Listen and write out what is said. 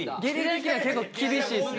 結構厳しいっすね。